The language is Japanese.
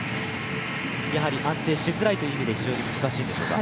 やはり、安定しづらいという意味で難しいんでしょうか。